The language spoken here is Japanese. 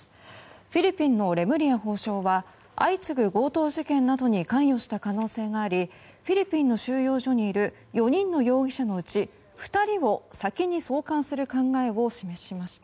フィリピンのレムリヤ法相は相次ぐ強盗事件などに関与した可能性がありフィリピンの収容所にいる４人の容疑者のうち２人を先に送還する考えを示しました。